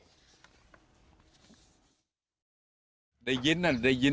พวกนี้น๊อตหายไปช่วยเรื่องซะครั้งกลาง๓๕นาที